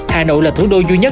hà nội là thủ đô duy nhất